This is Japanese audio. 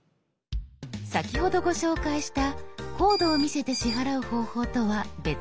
先ほどご紹介したコードを見せて支払う方法とは別のやり方です。